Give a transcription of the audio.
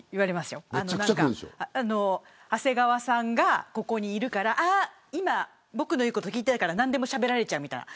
長谷川さんがここにいるから今、僕の言うこと聞いていたから何でもしゃべられちゃう。